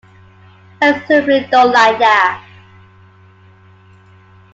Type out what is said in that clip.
I simply don't like that.